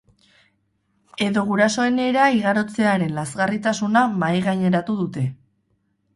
Edo gurasoenera igarotzearen lazgarritasuna mahaigaineratu dute.